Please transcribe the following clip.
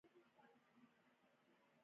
هغه وویل ساسچن دې لرې شي.